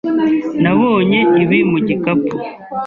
Nabonye ibi mu gikapu.